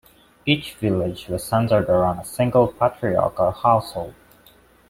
Each village was centered around a single patriarchal household.